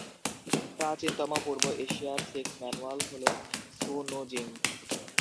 প্রাচীনতম পূর্ব এশিয়ার সেক্স ম্যানুয়াল হল সু নু জিং।